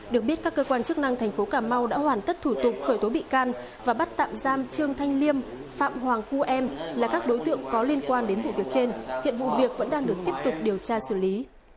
được biết các cơ quan chức năng thành phố cà mau đã hoàn tất thủ tục khởi tố bị can và bắt tạm giam trương thanh liêm phạm hoàng cu em là các đối tượng có liên quan đến vụ việc trên hiện vụ việc vẫn đang được tiếp tục điều tra xử lý